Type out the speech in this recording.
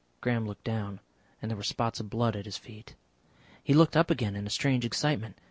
Graham looked down, and there were spots of blood at his feet. He looked up again in a strange excitement.